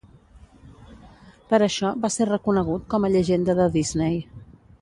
Per això va ser reconegut com a Llegenda de Disney.